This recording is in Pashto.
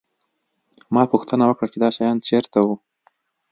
ما پوښتنه وکړه چې دا شیان چېرته وو